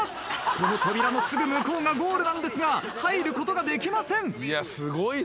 この扉のすぐ向こうがゴールなんですが入ることができません。